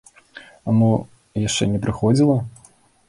А мо яшчэ не прыходзіла?